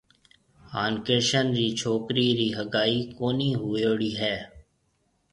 هانَ ڪرشن رِي ڇوڪرِي رِي هگائي ڪونِي هوئيوڙِي هيَ۔